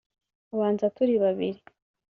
ubanza turi babiri